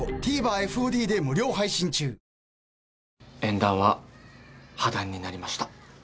縁談は破談になりました。